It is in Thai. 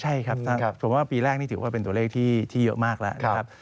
ใช่ครับผมว่าปีแรกนี่ถือว่าเป็นตัวเลขที่เยอะมากแล้วนะครับ